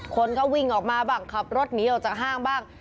คนก็วิ่งออกมาบ้างขับรถหนีออกจากห้างบ้าง